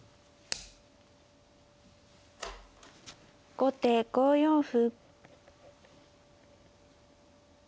後手５四歩。